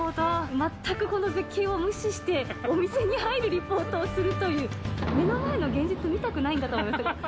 全くこの絶景を無視して、お店に入るリポートをするという、目の前の現実を見たくないんだと思います。